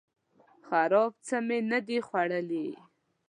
خراب څه می نه دي خوړلي